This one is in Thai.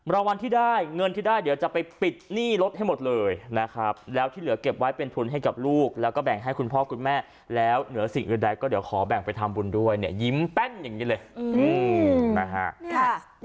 รางวัลที่ได้เงินที่ได้เดี๋ยวจะไปปิดหนี้รถให้หมดเลยนะครับแล้วที่เหลือเก็บไว้เป็นทุนให้กับลูกแล้วก็แบ่งให้คุณพ่อคุณแม่แล้วเหนือสิ่งอื่นใดก็เดี๋ยวขอแบ่งไปทำบุญด้วยเนี่ยยิ้มแป้นอย่างนี้เลยนะฮะ